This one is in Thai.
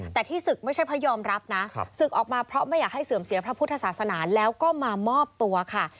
แต่ที่ศึกไม่ใช่เพราะยอมรับนะศึกออกมาเพราะไม่อยากให้เสื่อมเสียพระพุทธศาสนาแล้วก็มามอบตัวค่ะ